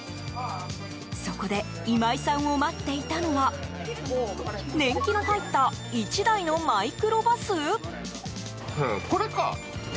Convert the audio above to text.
そこで今井さんを待っていたのは年季の入った１台のマイクロバス？